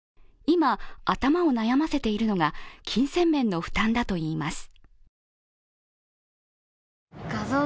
今、頭を悩ませているのが金銭面の負担だといいます。